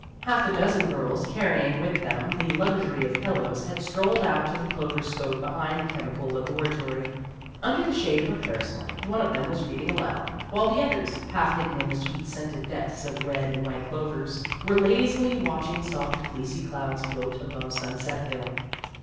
Half a dozen girls, carrying with them the luxury of pillows, had strolled out to the clover slope behind the Chemical Labo ratory. Under the shade of a parasol, one of them was reading aloud, while the others, half hidden in the sweet scented The History of an Ambition 43 depths of red and white clovers, were lazily watching soft fleecy clouds float above Sunset Hill.